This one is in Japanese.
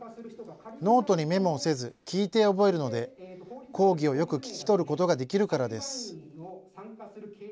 ノートにメモをせず、聞いて覚えるので、講義をよく聞きとることができるからです。